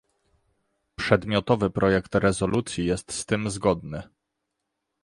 Przedmiotowy projekt rezolucji jest z tym zgodny